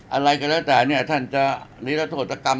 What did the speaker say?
อะไรก็แล้วแต่เนี่ยท่านจะนิรัตโทษกรรม